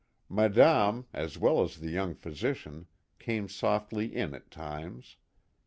Madame, as well as the young physician, came softly in at times.